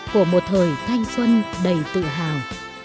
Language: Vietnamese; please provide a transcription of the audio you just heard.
của một thời thanh xuân đầy tự hào